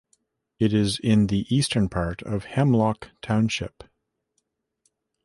It is in the eastern part of Hemlock Township.